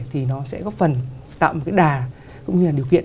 thì nó sẽ góp phần tạo một cái đà cũng như là điều kiện